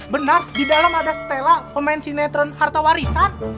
benar di dalam ada stella pemain sinetron harta warisan